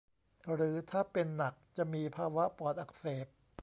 หรือถ้าเป็นหนักจะมีภาวะปอดอักเสบ